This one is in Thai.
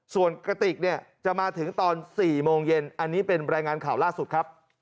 ส่วนกระติกเนี่ยจะมาถึงตอน๔โมงเย็นอันนี้เป็นรายงานข่าวล่าสุดครับ